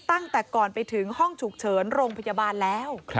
ตั้งแต่ก่อนไปถึงห้องฉุกเฉินโรงพยาบาลแล้ว